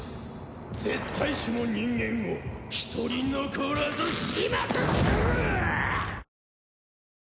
絶対種の人間を一人残らず始末する！